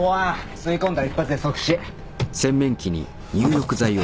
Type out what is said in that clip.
吸い込んだら一発で即死。